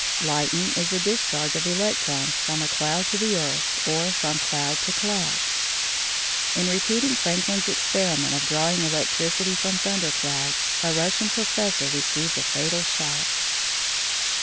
Lightning is a discharge of electrons from a cloud to the earth or from cloud to cloud. In repeating Franklin's experiment of drawing electricity from thunder clouds, a Russian professor received a fatal shock.